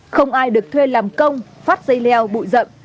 không ai được thuê làm công phát dây leo bụi rậm